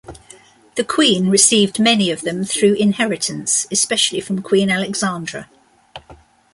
The Queen received many of them through inheritance, especially from Queen Alexandra.